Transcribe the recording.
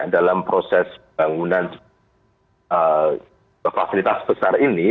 dalam proses pembangunan fasilitas besar ini